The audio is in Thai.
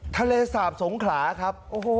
ทะเลสาบสงขลาครับ